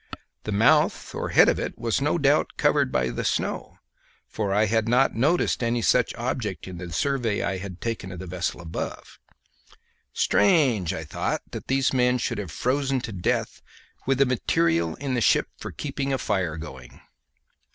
The mouth or head of it was no doubt covered by the snow, for I had not noticed any such object in the survey I had taken of the vessel above. Strange, I thought, that these men should have frozen to death with the material in the ship for keeping a fire going.